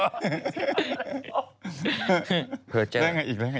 จิจิปปาลัสโก้